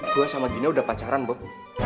gue sama gina udah pacaran bob